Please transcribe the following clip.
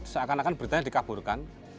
seakan akan beritanya dikaburkan